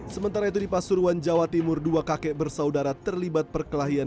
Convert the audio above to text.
sementara itu di pasuruan jawa timur dua kakek bersaudara terlibat perkelahian